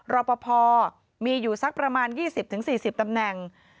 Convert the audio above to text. รอปภมีอยู่สักประมาณ๒๐๔๐ตำแหน่ง